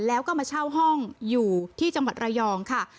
แล้วก็มาเช่าห้องอยู่ที่จังหวัดระยองค่ะ